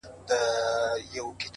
خپل قوتونه هره ورځ وده ورکړئ,